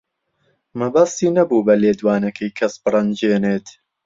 مەبەستی نەبوو بە لێدوانەکەی کەس بڕەنجێنێت.